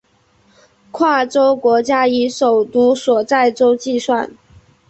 跨洲国家以首都所在洲计算。